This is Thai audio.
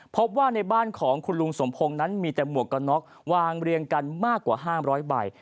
พบว่าในบ้านของคุณลุงสมพงศ์นั้นมีแต่หมวกกันน็อกวางเรียงกันมากกว่า๕๐๐ใบ